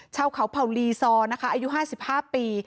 เช่าเขาเผาลีซออายุห้าสิบห้าปี